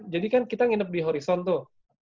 jadi kan kita nginep di horizon tuh